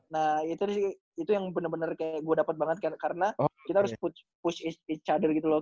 nah itu sih itu yang bener bener kayak gue dapet banget karena kita harus push each other gitu loh